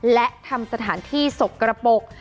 และทำสถานที่สกกระปก